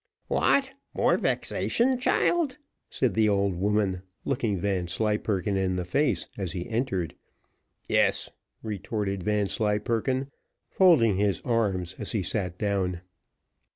"What, more vexation, child?" said the old woman, looking Vanslyperken in the face as he entered. "Yes," retorted Vanslyperken, folding his arms as he sat down.